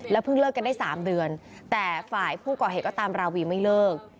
เพิ่งเลิกกันได้๓เดือนแต่ฝ่ายผู้ก่อเหตุก็ตามราวีไม่เลิก